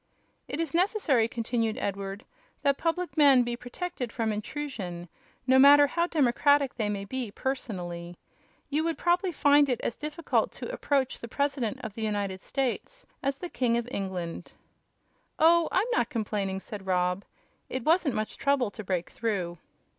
"It is necessary," continued Edward, "that public men be protected from intrusion, no matter how democratic they may be personally. You would probably find it as difficult to approach the President of the United States as the King of England." "Oh, I'm not complaining," said Rob. "It wasn't much trouble to break through."